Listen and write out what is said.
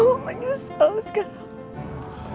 mama menyesal sekarang